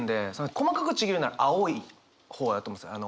細かくちぎるなら青い方やと思うんです。